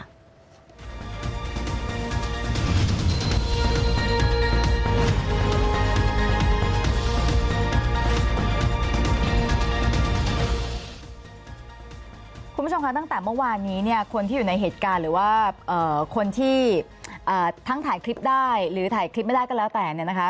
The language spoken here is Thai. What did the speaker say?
คุณผู้ชมคะตั้งแต่เมื่อวานนี้เนี่ยคนที่อยู่ในเหตุการณ์หรือว่าคนที่ทั้งถ่ายคลิปได้หรือถ่ายคลิปไม่ได้ก็แล้วแต่เนี่ยนะคะ